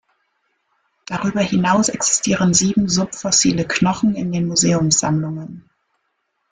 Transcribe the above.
Darüber hinaus existieren sieben subfossile Knochen in den Museumssammlungen.